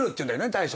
大将。